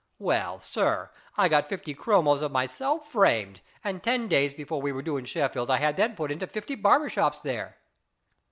Well, sir, 1 got fifty chromos of myself framed, and ten days before we were due at Sheffield I had them put into fifty barbers' shops there."